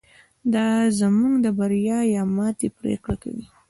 دا زموږ د بریا یا ماتې پرېکړه کوي.